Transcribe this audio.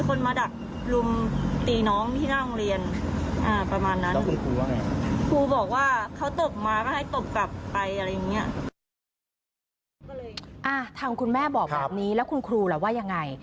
ทางคุณแม่บอกแบบนี้แล้วคุณครูล่ะว่ายังไง